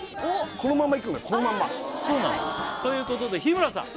このままいくんだこのまんまそうなのということで日村さん